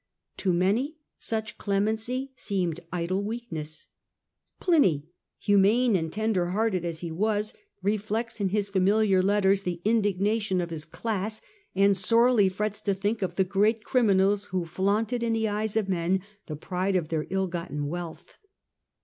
To many, such clemency seemed idle weakness ; Pliny, humane and tender hearted as he was, reflects in his familiar letters the indignation of his class, and sorely though frets to think of the great criminals who othe^THed flaunted in the eyes of men the pride of their .pj ill gotten wealth.